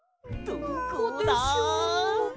どこでしょう？